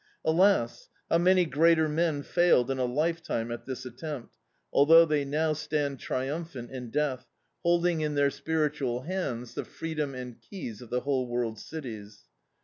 Alas! how many greater men failed in a lifetime at this attempt, although they now stand tnumphant in death, holding in their Dn.icdt, Google London spiritual hands the freedom and keys of the whole world's cities